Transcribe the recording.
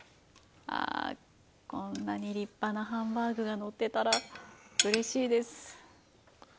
ああこんなに立派なハンバーグがのってたら嬉しいです。